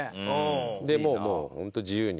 でもうもうホント自由に。